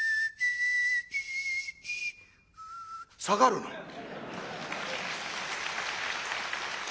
下がるの。